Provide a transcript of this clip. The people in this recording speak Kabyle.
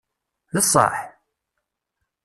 D ṣṣeḥ?